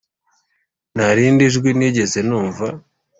nta rindi jwi nigeze numva